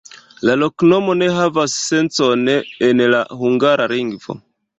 La loknomo ne havas sencon en la hungara lingvo.